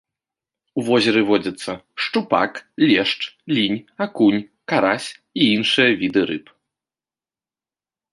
У возеры водзяцца шчупак, лешч, лінь, акунь, карась і іншыя віды рыб.